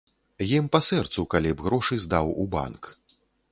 Ім па сэрцу, калі б грошы здаў у банк.